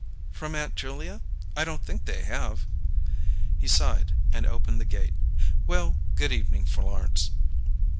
"From Aunt Julia? I don't think they have." He sighed, and opened the gate. "Well, good evening, Florence."